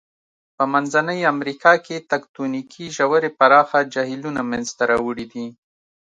په منځنۍ امریکا کې تکتونیکي ژورې پراخه جهیلونه منځته راوړي دي.